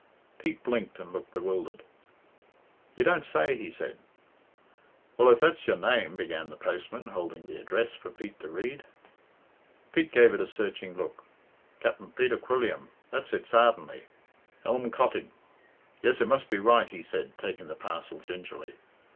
Pete blinked and looked bewildered. "You don't say!" he said. "Well, if that's your name," began the postman, holding the address for Pete to read. Pete gave it a searching look. "Cap'n Peatr Quilliam, that's it sartenly, Lm Cottig yes, it must be right," he said, taking the parcel gingerly.